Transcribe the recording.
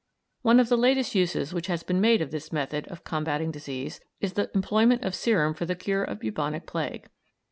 One of the latest uses which has been made of this method of combating disease is the employment of serum for the cure of bubonic plague.